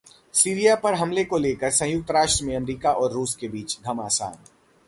Syria पर हमले को लेकर संयुक्त राष्ट्र में अमेरिका और रूस के बीच घमासान